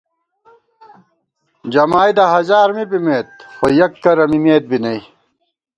جمائیدہ ہزار می بِمېت، خو یَک کرہ مِمېت بی نئ